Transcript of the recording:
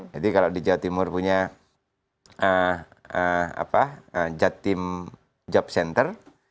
jadi kalau di jawa timur punya jatim job center